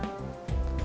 ada yang jualan di situ